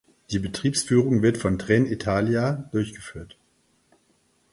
Die Betriebsführung wird von Trenitalia durchgeführt.